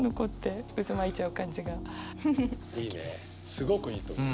すごくいいと思う。